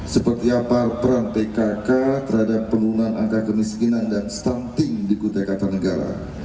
seperti apa peran pkk terhadap penurunan angka kemiskinan dan stunting di kutai kata negara